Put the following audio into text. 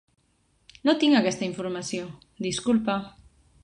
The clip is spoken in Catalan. No tinc aquesta informació, disculpa.